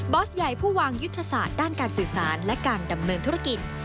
อสใหญ่ผู้วางยุทธศาสตร์ด้านการสื่อสารและการดำเนินธุรกิจ